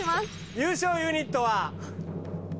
優勝ユニットは。